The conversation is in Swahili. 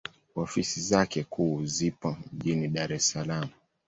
Ofisi zake kuu zipo mjini Dar es Salaam.